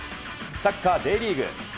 サッカーＪリーグ。